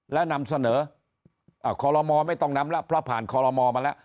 แล้วนำเสนอคอลโมไม่ต้องนำแล้วเพราะผ่านคอลโมมาแล้ว